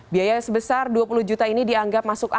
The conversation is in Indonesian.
biaya sebesar dua puluh juta ini dianggap masukkan